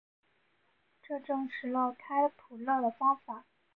这证实了开普勒的方法。